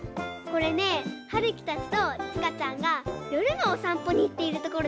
これねはるきたちとちかちゃんがよるのおさんぽにいっているところです。